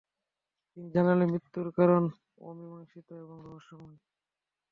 তিনি জানেন মৃত্যুর কারণ অমীমাংসিত এবং রহস্যময়।